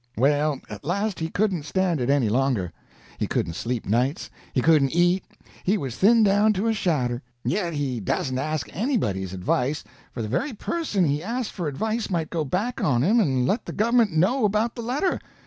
Well, at last he couldn't stand it any longer. He couldn't sleep nights, he couldn't eat, he was thinned down to a shadder, yet he da'sn't ask anybody's advice, for the very person he asked for advice might go back on him and let the gov'ment know about the letter.